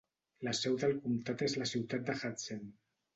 La seu del comtat és la ciutat de Hudson.